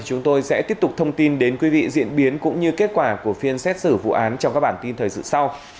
chúng tôi sẽ tiếp tục thông tin đến quý vị diễn biến cũng như kết quả của phiên xét xử vụ án trong các bản tin thời sự sau